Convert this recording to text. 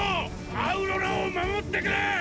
アウロラを守ってくれ！